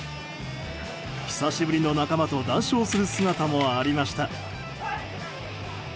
久しぶりの仲間と談笑する姿もありました。